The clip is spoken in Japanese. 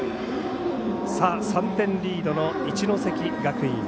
３点リードの一関学院。